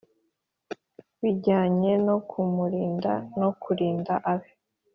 bijyanye no kumurinda no kurinda abe